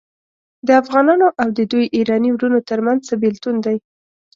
د افغانانو او د دوی ایراني وروڼو ترمنځ څه بیلتون دی.